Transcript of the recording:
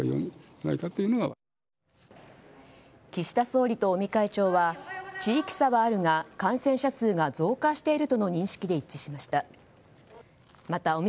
岸田総理と尾身会長は地域差はあるが感染者数が増加しているとの認識で一致しました。